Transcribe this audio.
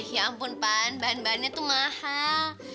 ya ampun pan bahan bahannya tuh mahal